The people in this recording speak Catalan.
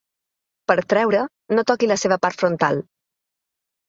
Per treure-, no toqui la seva part frontal.